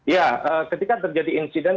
ya ketika terjadi insiden